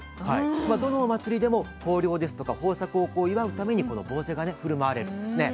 どのお祭りでも豊漁ですとか豊作を祝うためにこのぼうぜがね振る舞われるんですね。